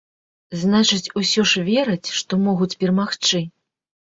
Значыць, усё ж вераць, што могуць перамагчы?